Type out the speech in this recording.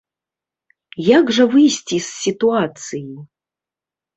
Як жа выйсці з сітуацыі?